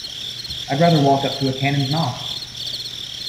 I’d rather walk up to a cannon’s mouth.